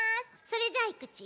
それじゃあいくち。